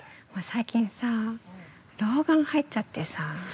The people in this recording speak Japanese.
◆最近さ、老眼入っちゃってさ。